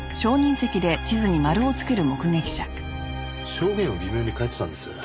証言を微妙に変えていたんです。